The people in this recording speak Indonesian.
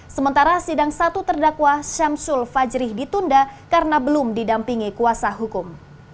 sementara sidang satu terdakwa syamsul fajri ditunda karena belum didampingi kuasa hukum